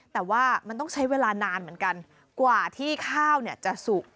แต่ว่ามันต้องใช้เวลานานเหมือนกันกว่าที่ข้าวจะสุก